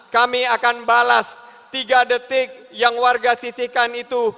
kami akan balas tiga detik yang warga sisihkan itu